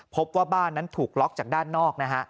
พบว่าบ้านนั้นถูกล็อกจากด้านนอกนะฮะ